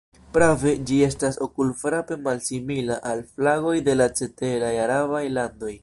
Prave, ĝi estas okulfrape malsimila al flagoj de la ceteraj arabaj landoj.